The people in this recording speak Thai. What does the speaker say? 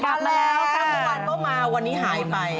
กลับมาแล้วท่านมันวานก็มาวันนี้หายไป